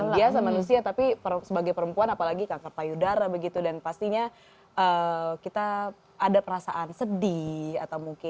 luar biasa manusia tapi sebagai perempuan apalagi kanker payudara begitu dan pastinya kita ada perasaan sedih atau mungkin